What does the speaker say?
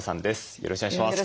よろしくお願いします。